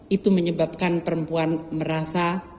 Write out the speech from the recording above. itu menyebabkan perempuan merasa